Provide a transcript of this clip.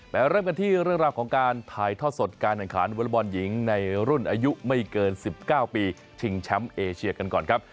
เริ่มกันที่เรื่องราวของการถ่ายทอดสดการแข่งขันวอลบอลหญิงในรุ่นอายุไม่เกิน๑๙ปีชิงแชมป์เอเชียกันก่อนครับ